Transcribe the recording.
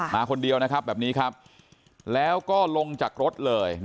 มาคนเดียวนะครับแบบนี้ครับแล้วก็ลงจากรถเลย